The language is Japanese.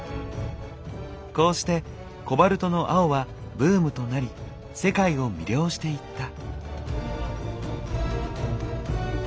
こうしてコバルトの青はブームとなり世界を魅了していった。